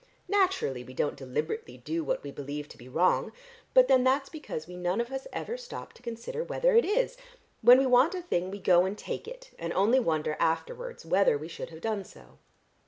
Naturally, we don't deliberately do what we believe to be wrong, but then that's because we none of us ever stop to consider whether it is. When we want a thing we go and take it, and only wonder afterwards whether we should have done so."